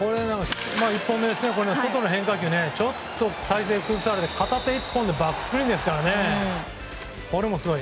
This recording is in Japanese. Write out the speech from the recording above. １本目、外の変化球体勢を崩されて片手１本でバックスクリーンですからこれもすごい。